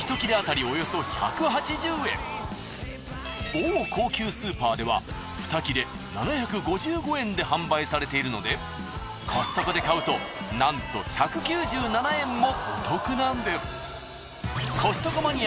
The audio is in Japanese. これ某高級スーパーでは２切れ７５５円で販売されているのでコストコで買うとなんと３つ目は。